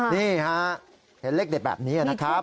นี่ฮะเห็นเลขเด็ดแบบนี้นะครับ